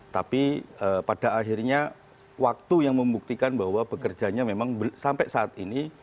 tapi pada akhirnya waktu yang membuktikan bahwa bekerjanya memang sampai saat ini